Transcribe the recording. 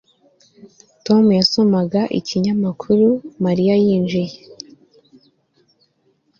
Tom yasomaga ikinyamakuru Mariya yinjiye